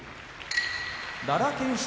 奈良県出